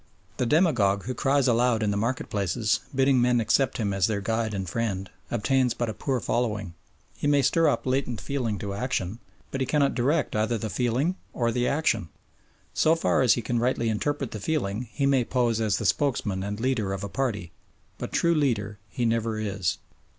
The demagogue who cries aloud in the market places, bidding men accept him as their guide and friend, obtains but a poor following. He may stir up latent feeling to action, but he cannot direct either the feeling or the action. So far as he can rightly interpret the feeling he may pose as the spokesman and leader of a party, but true leader he never is.